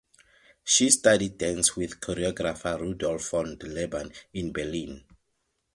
She studied dance with choreographer Rudolf von Laban in Berlin.